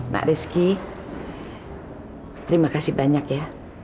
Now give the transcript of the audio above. mak reski terima kasih banyak ya